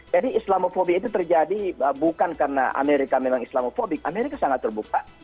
jadi islamofobi itu terjadi bukan karena amerika memang islamofobik amerika sangat terbuka